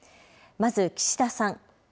まず岸田さん。